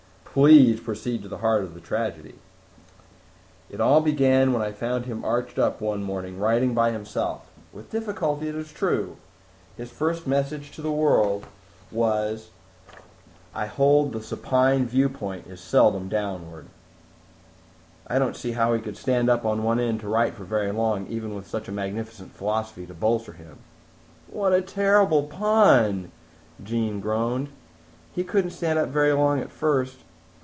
"Please proceed to the heart of the tragedy." "It all began when I found him arched up one morning, writing by himself with difficulty, it is true. His first message to the world was, 'I hold that the supine viewpoint is seldom downward!'" "I don't see how he could stand up on end to write for very long, even with such a magnificent philosophy to bolster him." "What a terrible pun," Jean groaned. "He couldn't stand up very long at first.